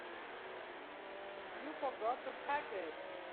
You forgot to pack it.